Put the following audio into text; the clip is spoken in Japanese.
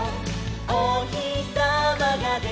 「おひさまがでてきたよ」